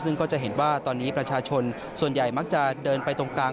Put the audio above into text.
ซึ่งก็จะเห็นว่าตอนนี้ประชาชนส่วนใหญ่มักจะเดินไปตรงกลาง